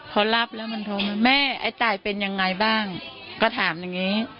พอรับแล้วมันโทรมาแม่ไอ้ตายเป็นยังไงบ้างก็ถามอย่างนี้